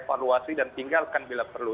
evaluasi dan tinggalkan bila perlu